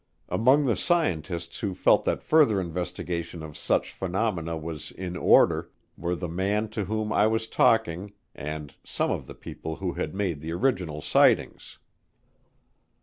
Among the scientists who felt that further investigation of such phenomena was in order, were the man to whom I was talking and some of the people who had made the original sightings.